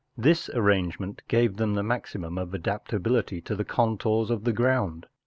This arrange¬ ment gave them the maximum of adapt¬ ability to the contours of the ground.